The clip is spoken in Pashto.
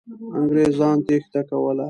انګریزان تېښته کوله.